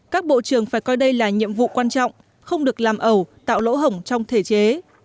các bộ trưởng phải coi đây là nhiệm vụ quan trọng không được làm ẩu tạo lỗ hổng trong thể chế